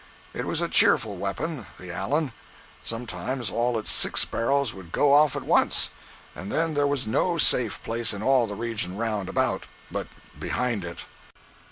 It was a cheerful weapon—the "Allen." Sometimes all its six barrels would go off at once, and then there was no safe place in all the region round about, but behind it.